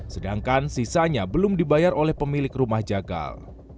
sedangkan sisanya belum dibayar oleh pemilik rumah jagal